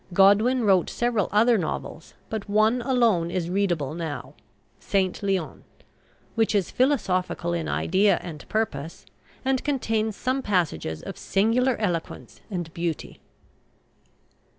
Godwin wrote several other novels, but one alone is readable now, "St. Leon," which is philosophical in idea and purpose, and contains some passages of singular eloquence and beauty.